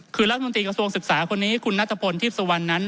คือรัฐมนตรีกระทรวงศึกษาคนนี้คุณนัทพลทีพสุวรรณนั้น